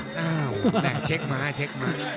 อ้าวแม่งเช็คมาเช็คมา